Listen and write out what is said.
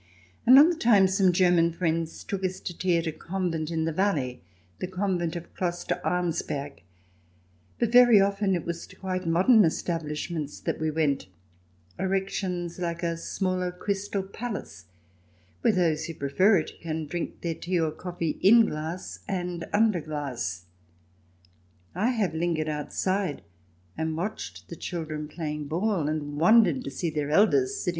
Another time, some German friends took us to tea at a convent in the valley — the convent of Kloster Arnsberg — but very often it was to quite modern establishments that we went; erections like a smaller Crystal Palace, where those who prefer it can drink their tea or their coff'ee in glass and under glass. I have lingered outside and watched the children playing ball, and wondered to see their elders sitting CH.